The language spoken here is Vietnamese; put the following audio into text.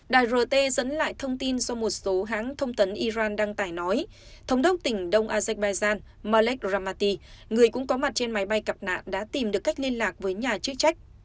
đài rt dẫn lại thông tin do một số hãng thông tấn iran đăng tải nói thống đốc tỉnh đông azerbaijan malekramati người cũng có mặt trên máy bay gặp nạn đã tìm được cách liên lạc với nhà chức trách